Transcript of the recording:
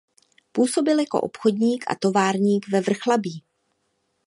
Působil jako obchodník a továrník ve Vrchlabí.